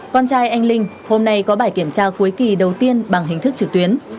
con trai anh linh hôm nay có bài kiểm tra cuối kỳ đầu tiên bằng hình thức trực tuyến